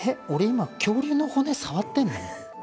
今恐竜の骨触ってんの？